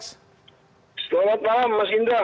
selamat malam mas heindra